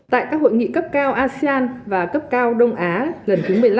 tại các hội nghị cấp cao asean và cấp cao đông á lần thứ một mươi năm